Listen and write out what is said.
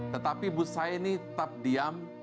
tetapi ibu saya ini tetap diam